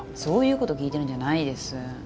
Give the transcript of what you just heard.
そういうこと聞いてるんじゃないです